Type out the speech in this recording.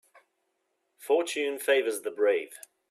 Fortune favours the brave.